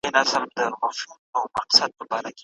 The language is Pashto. دا یو تدریجي بهیر دی.